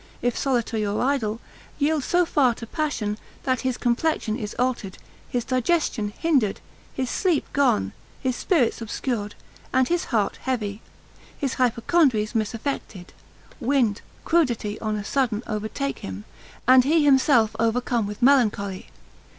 (if solitary, or idle) yields so far to passion, that his complexion is altered, his digestion hindered, his sleep gone, his spirits obscured, and his heart heavy, his hypochondries misaffected; wind, crudity, on a sudden overtake him, and he himself overcome with melancholy.